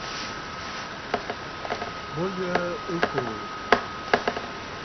Bo yǝǝ ɨkòò.